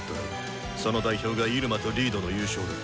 その代表がイルマとリードの優勝だ。